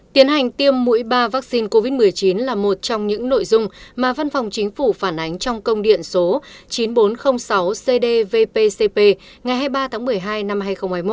tiến hành tiêm mũi ba vaccine covid một mươi chín là một trong những nội dung mà văn phòng chính phủ phản ánh trong công điện số chín nghìn bốn trăm linh sáu cdvcp ngày hai mươi ba tháng một mươi hai năm hai nghìn hai mươi một